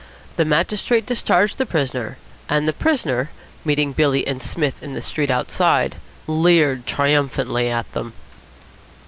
The magistrate discharged the prisoner, and the prisoner, meeting Billy and Psmith in the street outside, leered triumphantly at them.